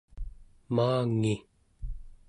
maangi